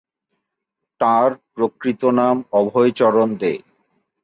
তাঁর প্রকৃত নাম অভয়চরণ দে।